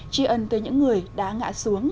chi ấn tới những người đã ngã xuống